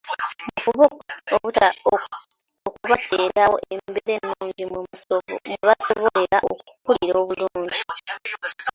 Mufube okubateerawo embeera ennungi mwe basobola okukulira obulungi.